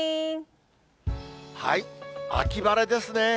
秋晴れですね。